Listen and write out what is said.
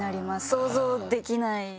想像できない。